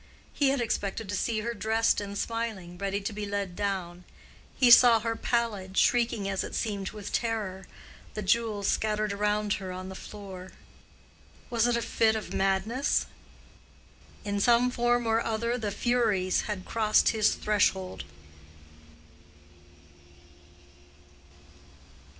He had expected to see her dressed and smiling, ready to be led down. He saw her pallid, shrieking as it seemed with terror, the jewels scattered around her on the floor. Was it a fit of madness? In some form or other the furies had crossed his threshold.